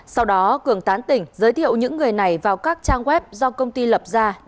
sau đó cường tán tỉnh giới thiệu những người này vào các trang web do công ty lập ra